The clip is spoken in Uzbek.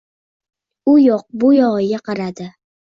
U yoq-bu yog`iga qaradi